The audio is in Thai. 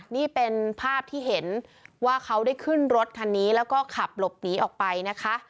นี่เป็นภาพที่เห็นว่าเขาได้ขึ้นรถคันนี้แล้วก็ขับหลบหนีออกไปนะคะ